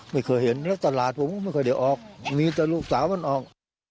ไม่เคยเห็นแล้วตลาดผมก็ไม่ค่อยได้ออกมีแต่ลูกสาวมันออก